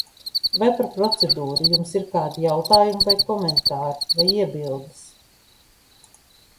Vai par procedūru jums ir kādi jautājumi vai komentāri, vai iebildes?